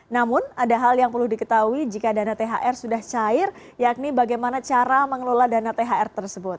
namun ada hal yang perlu diketahui jika dana thr sudah cair yakni bagaimana cara mengelola dana thr tersebut